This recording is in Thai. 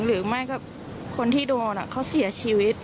หรือไม่กับคนที่โดนเขาเสียชีวิต